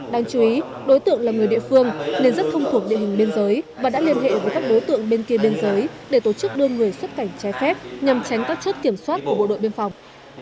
đáng chú ý đối tượng là người địa phương nên rất thông thuộc địa hình biên giới và đã liên hệ với các đối tượng bên kia biên giới để tổ chức đưa người xuất cảnh trái phép nhằm tránh các chất kiểm soát của bộ đội biên phòng